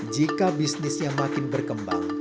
jika bisnisnya makin berkembang